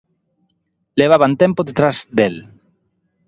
Levaban tempo detrás del.